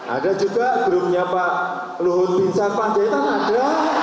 ada juga grupnya pak luhut binsar panjaitan ada